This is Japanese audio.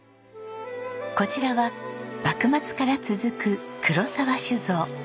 こちらは幕末から続く黒澤酒造。